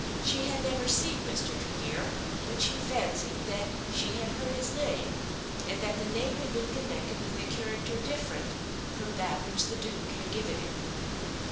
She had never seen Mr. Tregear, but she fancied that she had heard his name, and that the name had been connected with a character different from that which the Duke had given him.